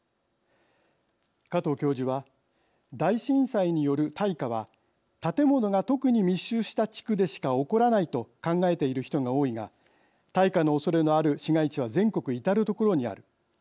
加藤教授は大震災による大火は建物が特に密集した地区でしか起こらないと考えている人が多いが大火のおそれのある市街地は全国至る所にある。